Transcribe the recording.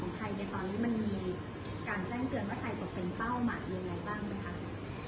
ในตอนนี้มันมีการแจ้งเตือนว่าใครตกเป็นเป้ามาหรือแบบไหนบ้าง